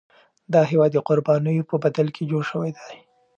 دا هیواد د قربانیو په بدل کي جوړ شوی دی.